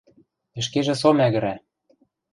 Ӹшкежӹ со мӓгӹрӓ.